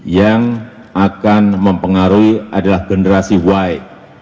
yang akan mempengaruhi adalah generasi y